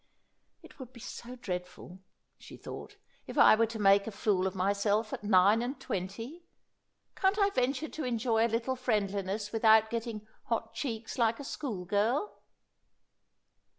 "It would be so dreadful," she thought, "if I were to make a fool of myself at nine and twenty! Can't I venture to enjoy a little friendliness without getting hot cheeks like a school girl?"